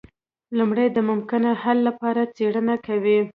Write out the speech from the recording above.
لومړی د ممکنه حل لپاره څیړنه کوي.